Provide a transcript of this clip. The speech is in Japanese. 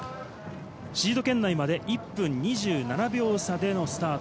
シード圏内まで１分２７秒差でのスタート。